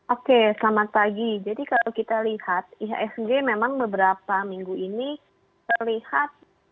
oke selamat pagi jadi kalau kita lihat ihsg memang beberapa minggu ini terlihat